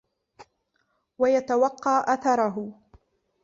وَيَتَوَقَّى أَثَرَهُ